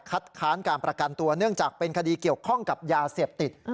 ค้านการประกันตัวเนื่องจากเป็นคดีเกี่ยวข้องกับยาเสพติด